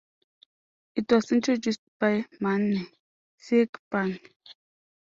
It was introduced by Manne Siegbahn.